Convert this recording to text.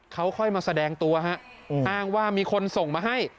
เขาค่อยมาแสดงตัวฮะอ้างว่ามีคนส่งมาให้